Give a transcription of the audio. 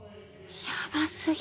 ヤバすぎ。